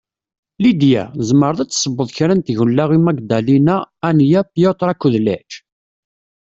Lidia, tezemreḍ ad tessewweḍ kra n tgella i Magdalena, Ania, Piotr akked Lech?